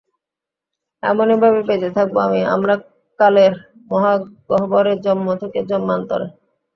এমনিভাবেই বেঁচে থাকব আমি, আমরা কালের মহা গহ্বরে জন্ম থেকে জন্মান্তরে।